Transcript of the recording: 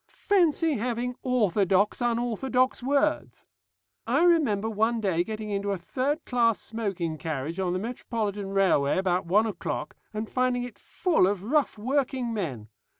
Fancy having orthodox unorthodox words! I remember one day getting into a third class smoking carriage on the Metropolitan Railway about one o'clock, and finding it full of rough working men.